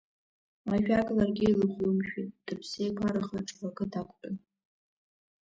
Ажәак ларгьы илыхәлымшәеит, дыԥсеиқәараха аҽвакы дақәтәан.